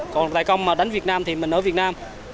còn lại công mà đánh việt nam thì mình ở việt nam